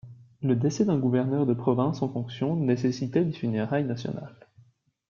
Le décès d'un Gouverneur de province en fonction nécessitait des funérailles nationales.